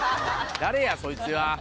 誰やそいつは。